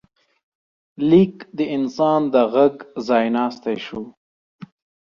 لیک د انسان د غږ ځای ناستی شو.